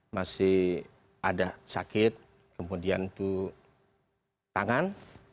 masih ada sakit kemudian itu tangan